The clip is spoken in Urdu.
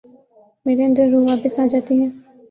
میرے اندر روح واپس آ جاتی ہے ۔